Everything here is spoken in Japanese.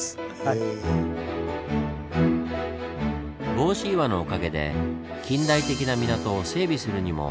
帽子岩のおかげで近代的な港を整備するにも「理想の地」だった網走。